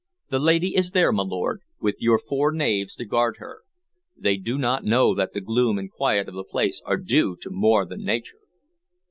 The lady is there, my lord, with your four knaves to guard her. They do not know that the gloom and quiet of the place are due to more than nature."